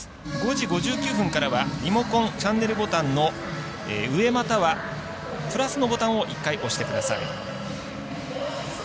５時５９分からはリモコンチャンネルボタンの上、またはプラスのボタンを１回押してください。